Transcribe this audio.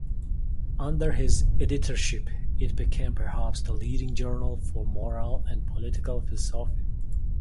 Under his editorship, it became perhaps the leading journal for moral and political philosophy.